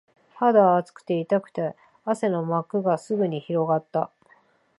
肌は熱くて、痛くて、汗の膜がすぐに広がった